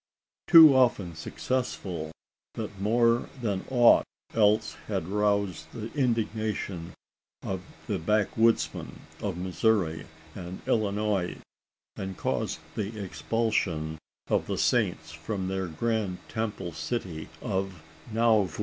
too often successful that more than aught else had roused the indignation of the backwoodsmen of Missouri and Illinois, and caused the expulsion of the Saints from their grand temple city of Nauvoo.